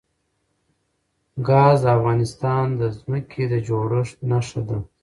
ګاز د افغانستان د ځمکې د جوړښت نښه ده.